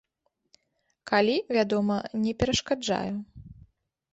Калі, вядома, не перашкаджаю.